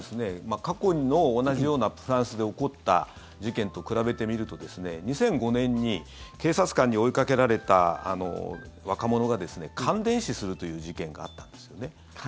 過去の同じようなフランスで起こった事件と比べてみると２００５年に警察官に追いかけられた若者が感電死するという事件があったんですよね。